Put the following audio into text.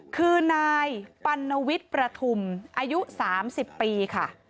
คือนายปัณวิทย์ประทุมอายุ๓๐ปีค่ะ